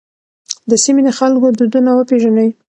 د سیمې د خلکو دودونه وپېژنئ.